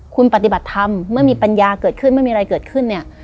คุณปฏิบัติธรรมเมื่อมีปัญญาเกิดขึ้นไม่มีอะไรเกิดขึ้นเนี่ย